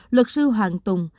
luật sư hoàng tùng